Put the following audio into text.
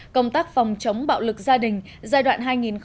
công tác phòng chống bạo lực gia đình giai đoạn hai nghìn tám hai nghìn một mươi bảy